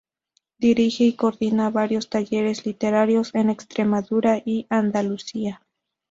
Dirige y coordina varios talleres literarios en Extremadura y Andalucía.